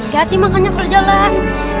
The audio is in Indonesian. gati makanya perjalan